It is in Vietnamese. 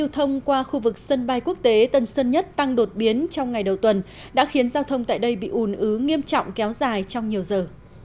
tầng sân nhất tăng đột biến trong ngày đầu tuần đã khiến giao thông tại đây bị ủn ứ nghiêm trọng kéo dài trong nhiều giờ